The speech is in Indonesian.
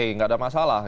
tidak ada masalah